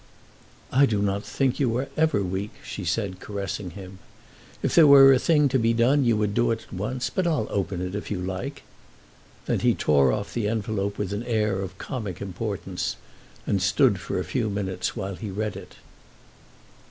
"I do not think you are ever weak," she said, caressing him. "If there were a thing to be done you would do it at once. But I'll open it if you like." Then he tore off the envelope with an air of comic importance and stood for a few minutes while he read it.